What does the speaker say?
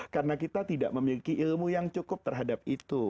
karena kita tidak memiliki ilmu yang cukup terhadap itu